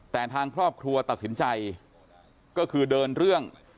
แต่ทางครอบครัวตัดสินใจก็คือเดินเรื่อง